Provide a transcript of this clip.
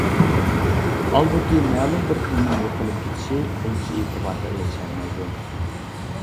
ھالبۇكى، مەلۇم بىر تىلنىڭ يوقىلىپ كېتىشى ئۇنچە ئېتىبارغا ئېرىشەلمەيدۇ.